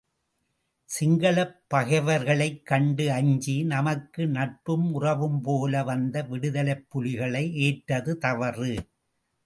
சிங்களப் பகைவர்களைக் கண்டு அஞ்சி, நமக்கு நட்பும் உறவும் போல வந்த விடுதலைப் புலிகளை ஏற்றது தவறு.